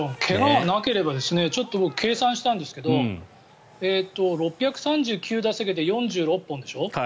怪我がなければ僕、ちょっと計算したんですけど６３９打席で４６本でしょ。